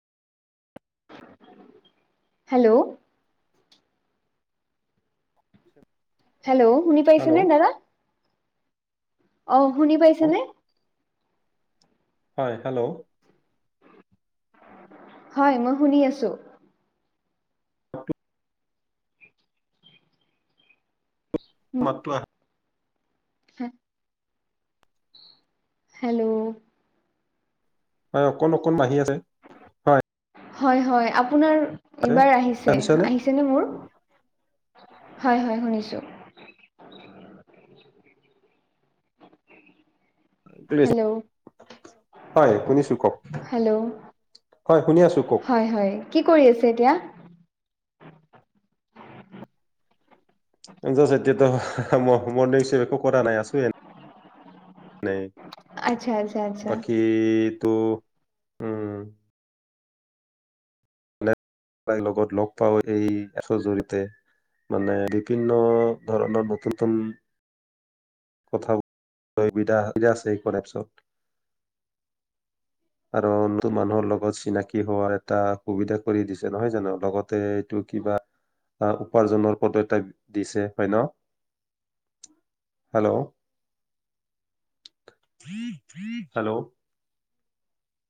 Hello hello শুনি hello পাইছেনে দাদা? অঁ, শুনি পাইছে নে? হয়, হেল্লৌ'। হয়, মই শুনি আছোঁ। অঁ কিত- উম, মাতটো আহ- [unintelligible] হেল্লৌ'। হয়, অকন অকন ভাগি আছে। হয় হয় হয়, আপোনাৰ আছে এইবাৰ আহিছে। শুনিছানে আহি- ছেনে মোৰ? হয়, হয়, শুনিছো। হেল্ল' [unintelligible] হয়, শুনিছো কওক, হেল্ল' হয় শুনি আছো কওক? হয়, হয়। কি কৰি আছে এতিয়া? জাষ্ট এতিয়াতো মই [unintelligible] একো কৰা নাই আছো এনে। নাই। আৎচ্ছা, আৎচ্ছা, আৎচ্ছা। এই টো, উম'। তাইক লগত লগ পাওঁ সেই এশৰ জৰিয়তে। মানে, বিভিন্ন ধৰণৰ নতুন তুন- কথা [unintelligible] [inaudible] কাৰণ নতুন মানুহৰ লগত চিনাকি হোৱাৰ এটা সুবিধা কৰি দিছে নহয় জানো? লগতে- টো কিবা অঁ, উপাৰ্জনৰ পদ এটা দিছে হয় ন'? Hello hello.